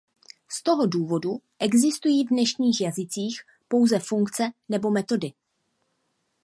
Z toho důvodu existují v dnešních jazycích pouze funkce nebo metody.